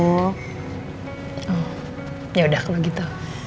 oh yaudah kalau gitu